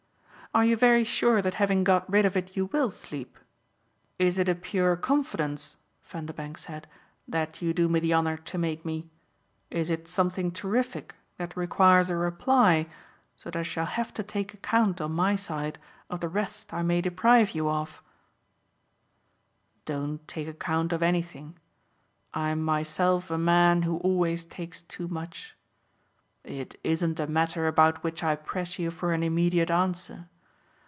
"Are you very sure that having got rid of it you WILL sleep? Is it a pure confidence," Vanderbank said, "that you do me the honour to make me? Is it something terrific that requires a reply, so that I shall have to take account on my side of the rest I may deprive you of?" "Don't take account of anything I'm myself a man who always takes too much. It isn't a matter about which I press you for an immediate answer.